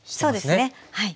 そうですねはい。